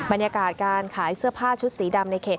บรรยากาศการขายเสื้อผ้าชุดสีดำในเขต